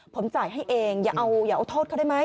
ผมจ่ายให้เองอย่าเอาโทษเขาได้ไหม